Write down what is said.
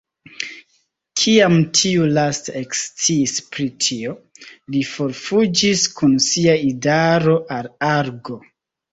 Kiam tiu lasta eksciis pri tio, li forfuĝis kun sia idaro al Argo.